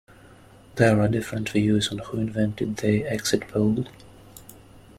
There are different views on who invented the exit poll.